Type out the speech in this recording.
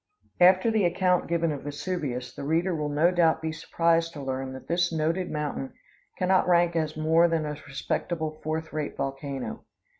After the account given of Vesuvius, the reader will no doubt be surprised to learn that this noted mountain can not rank as more than a respectable fourth rate volcano.